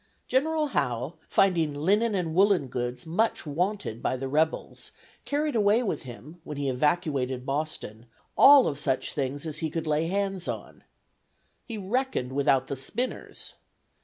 General Howe, finding "Linnen and Woollen Goods much wanted by the Rebels," carried away with him, when he evacuated Boston, all of such things as he could lay hands on. He reckoned without the spinners!